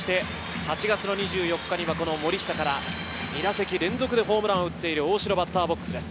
８月の２４日には森下から２打席連続でホームランを打っている大城がバッターボックスです。